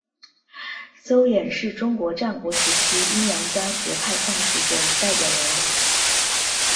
邹衍是中国战国时期阴阳家学派创始者与代表人物。